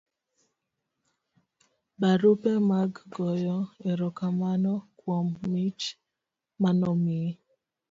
barupe mag goyo erokamano kuom mich manomiyi